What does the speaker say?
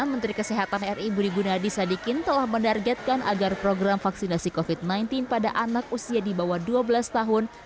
menteri kesehatan ri budi gunadi sadikin telah menargetkan agar program vaksinasi covid sembilan belas pada anak usia di bawah dua belas tahun